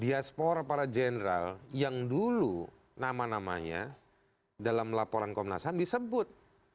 diaspora para jenderal yang dulu nama namanya dalam laporan komnas ham disebut